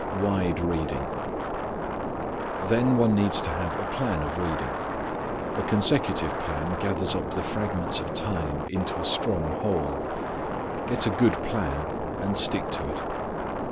Wide Reading. Then one needs to have a plan of reading. A consecutive plan gathers up the fragments of time into a strong whole. Get a good plan, and stick to it.